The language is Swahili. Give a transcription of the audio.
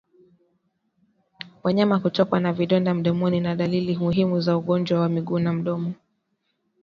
Wanyama kutokwa na vidonda mdomoni ni dalili muhimu za ugonjwa wa miguu na mdomo